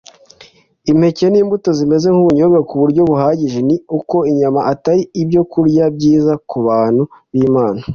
impeke n'imbuto zimeze nk'ubunyobwa ku buryo buhagije, ni uko inyama atari ibyokurya byiza ku bantu b'imana